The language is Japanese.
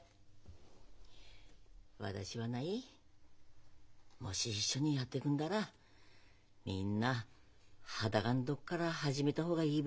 私はないもし一緒にやってくんだらみんな裸のとこから始めた方がいいべって思ってんだ。